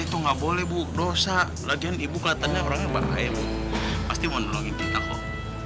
itu nggak boleh bu dosa lagian ibu katanya orangnya bahaya bu pasti mau nolongin kita kok